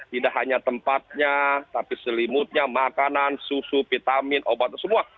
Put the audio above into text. tidak hanya tempatnya tapi selimutnya makanan susu vitamin obat semua